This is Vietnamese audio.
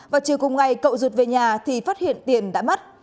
và chiều cùng ngày cậu ruột về nhà thì phát hiện tiền đã mất